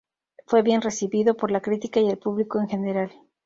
Fue bien recibido por la crítica y el público en general.